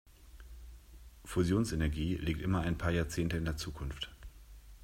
Fusionsenergie liegt immer ein paar Jahrzehnte in der Zukunft.